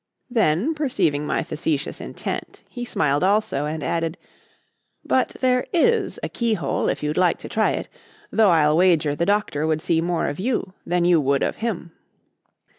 Then, perceiving my facetious intent, he smiled also and added: "But there is a keyhole if you'd like to try it, though I'll wager the Doctor would see more of you than you would of him."